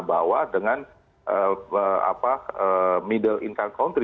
tengah bawah dengan middle income country